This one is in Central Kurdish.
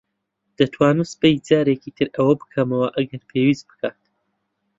دەتوانم سبەی جارێکی تر ئەوە بکەمەوە ئەگەر پێویست بکات.